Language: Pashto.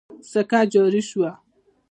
سکه جاري شوه.